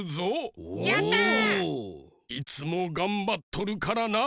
いつもがんばっとるからな。